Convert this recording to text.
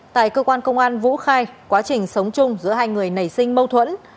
tại cơ quan công an vũ khai quá trình sống chung giữa hai người nảy sinh mâu thuẫn